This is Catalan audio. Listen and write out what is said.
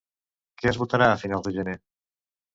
Què es votarà a finals de gener?